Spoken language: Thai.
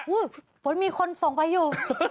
เหมือนมีคนส่งไปอยู่